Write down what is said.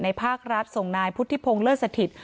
ภาครัฐส่งนายพุทธิพงศ์เลิศสถิต